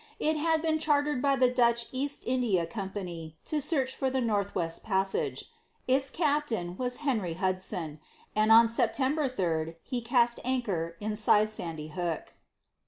It had been chartered by the Dutch East India Company to search for the Northwest Passage. Its captain was Henry Hudson, and on September 3 he cast anchor inside Sandy Hook.